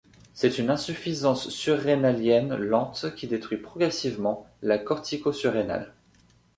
C'est une insuffisance surrénalienne lente qui détruit progressivement la corticosurrénale.